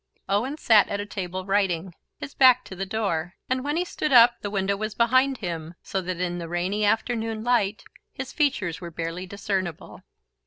Owen sat at a table writing, his back to the door; and when he stood up the window was behind him, so that, in the rainy afternoon light, his features were barely discernible.